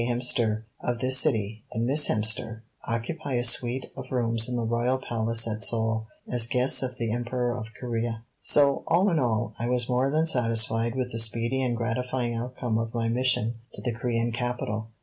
Hemster, of this city, and Miss Hemster, occupy a suite of rooms in the royal Palace of Seoul, as guests of the Emperor of Corea." So, all in all, I was more than satisfied with the speedy and gratifying outcome of my mission to the Corean capital.